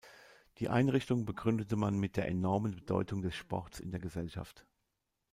Die Einrichtung begründete man mit der enormen Bedeutung des Sports in der Gesellschaft.